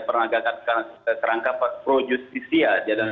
pernegakan kerangka pro justisia